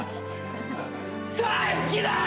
大好きだー！